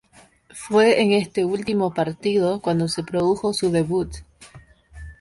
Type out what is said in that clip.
Fue en este último partido cuando se produjo su debut.